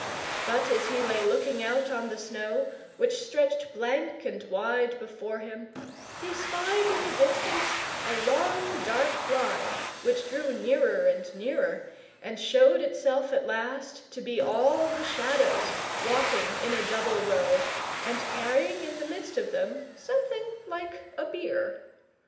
But as he lay looking out on the snow, which stretched blank and wide before him, he spied in the distance a long dark line which drew nearer and nearer, and showed itself at last to be all the Shadows, walking in a double row, and carrying in the midst of them something like a bier.